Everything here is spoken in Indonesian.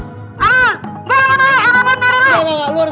gue gak mau tau gue gak mau tau